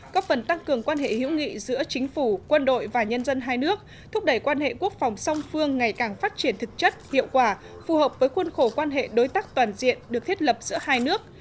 có phần tăng cường quan hệ hữu nghị giữa chính phủ quân đội và nhân dân hai nước thúc đẩy quan hệ quốc phòng song phương ngày càng phát triển thực chất hiệu quả phù hợp với khuôn khổ quan hệ đối tác toàn diện được thiết lập giữa hai nước